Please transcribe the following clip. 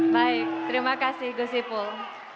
baik terima kasih gusipul